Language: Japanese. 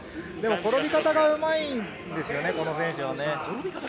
転び方がうまいんですよね、この選手は。